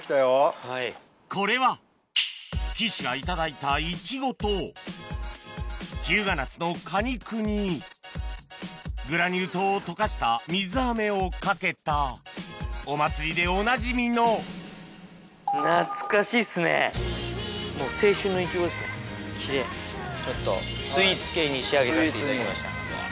これは岸が頂いたイチゴと日向夏の果肉にグラニュー糖を溶かした水あめをかけたお祭りでおなじみのちょっとスイーツ系に仕上げさせていただきました。